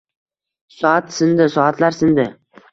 Soat sindi, soatlar sindi